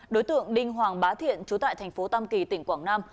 đối tượng đinh hoàng bá thiện chú tại tp tam kỳ tỉnh quảng nam